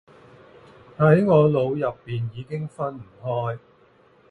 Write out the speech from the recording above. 喺我腦入面已經分唔開